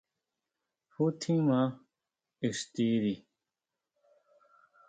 Jú tjín maa ixtiri.